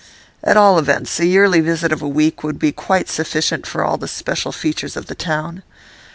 At all events, a yearly visit of a week would be quite sufficient for all the special features of the town.